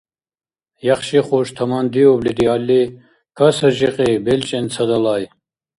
Яхши-хуш тамандиубли диалли, каса жикьи, белчӀен ца далай.